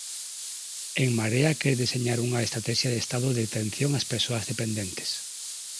En Marea quere deseñar unha estratexia de estado de atención ás persoas dependentes.